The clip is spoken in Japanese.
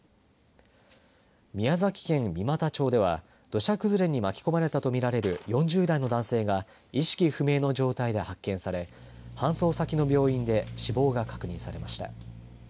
宮崎県三股町では土砂崩れに巻き込まれたとみられる４０代の男性が意識不明の状態で発見され搬送先の病院で死亡が確認されました。